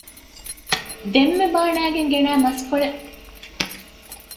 ދެންމެ ބާނައިގެން ގެނައި މަސްކޮޅެއް